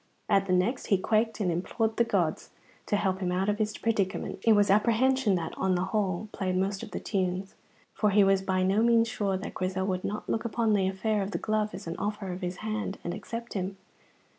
At the next he quaked and implored the gods to help him out of his predicament. It was apprehension that, on the whole, played most of the tunes, for he was by no means sure that Grizel would not look upon the affair of the glove as an offer of his hand, and accept him.